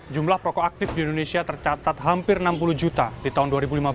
jumlah rokok aktif di indonesia tercatat hampir enam puluh juta di tahun dua ribu lima belas